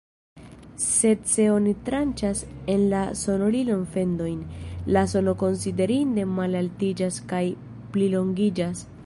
Sed se oni tranĉas en la sonorilon fendojn, la sono konsiderinde malaltiĝas kaj plilongiĝas.